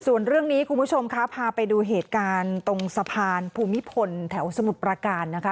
ส่วนเรื่องนี้คุณผู้ชมคะพาไปดูเหตุการณ์ตรงสะพานภูมิพลแถวสมุทรประการนะคะ